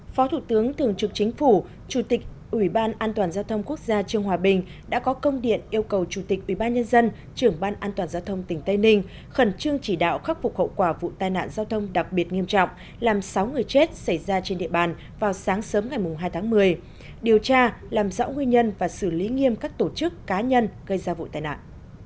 phó thủ tướng thường trực chính phủ chủ tịch ủy ban an toàn giao thông quốc gia trương hòa bình đã có công điện yêu cầu chủ tịch ủy ban nhân dân trưởng ban an toàn giao thông tỉnh tây ninh khẩn trương chỉ đạo khắc phục hậu quả vụ tai nạn giao thông đặc biệt nghiêm trọng làm sáu người chết xảy ra trên địa bàn vào sáng sớm ngày hai tháng một mươi điều tra làm rõ nguyên nhân và xử lý nghiêm các tổ chức cá nhân gây ra vụ tai nạn